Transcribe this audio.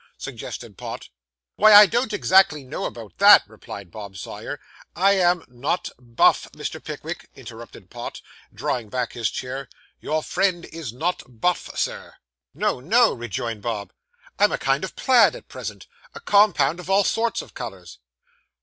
suggested Pott. 'Why, I don't exactly know about that,' replied Bob Sawyer. 'I am ' 'Not buff, Mr. Pickwick,' interrupted Pott, drawing back his chair, 'your friend is not buff, sir?' 'No, no,' rejoined Bob, 'I'm a kind of plaid at present; a compound of all sorts of colours.